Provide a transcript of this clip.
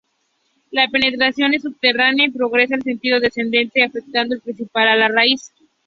La penetración es subterránea y progresa en sentido descendente, afectando principalmente a la raíz.